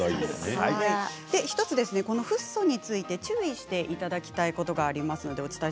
フッ素について注意してもらいたいことがあります。